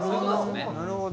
なるほど。